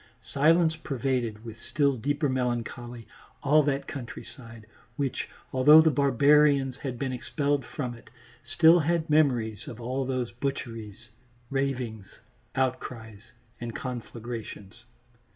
Silence pervaded with still deeper melancholy all that countryside, which, although the barbarians had been expelled from it, still had memories of all those butcheries, ravings, outcries, and conflagrations.